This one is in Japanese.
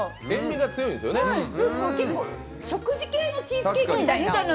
食事系のチーズケーキみたいな。